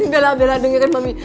bella bella dengarkan